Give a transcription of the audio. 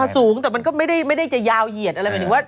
สูงแต่ไม่ได้จะยาวเหยียดอะไรแบบนี้